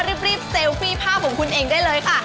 รีบเซลฟี่ภาพของคุณเองได้เลยค่ะ